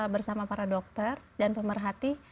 bersama para dokter dan pemerhati